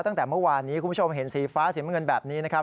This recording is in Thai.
ตั้งแต่เมื่อวานนี้คุณผู้ชมเห็นสีฟ้าสีมะเงินแบบนี้